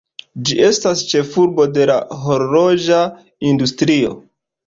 Ĝi estas ĉefurbo de horloĝa industrio.